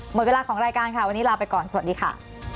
หมดเวลาของรายการค่ะวันนี้ลาไปก่อนสวัสดีค่ะ